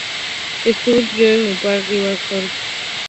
Estuvo influido por Enric Prat de la Riba, Eugenio d'Ors y Charles Maurras.